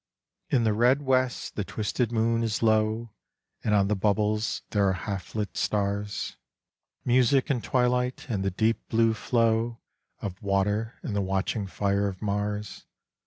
"In the red west the twisted moon is low, And on the bubbles there are half lit stars. 10 INTRODUCTION Music and twilight : and the deep blue flow Of water : and the watching fire of Mars.